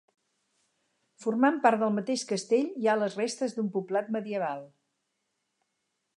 Formant part del mateix castell, hi ha les restes d'un poblat medieval.